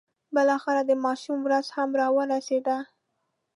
بالاخره د ماشوم ورځ هم را ورسېده.